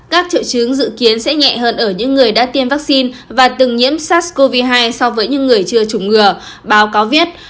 các triệu chứng dự kiến sẽ nhẹ hơn ở những người đã tiêm vaccine và từng nhiễm sars cov hai so với những người chưa chủng ngừa báo cáo viết